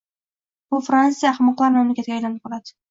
bu Fransiya ahmoqlar mamlakatiga aylanib qoladi».